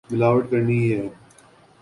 ملاوٹ کرنی ہی ہے۔